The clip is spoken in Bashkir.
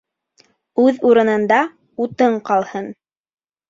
Үҙ урынында утың ҡалһын.